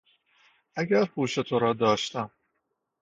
اگر هوش تو را داشتم